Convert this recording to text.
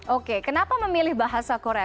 oke kenapa memilih bahasa korea